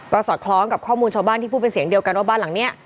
ก็สอดคล้องกับข้อมูลชาวบ้านที่พูดเป็นเสียงเดียวกันว่าบ้านหลังนี้